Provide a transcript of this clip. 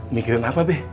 mikirin apa be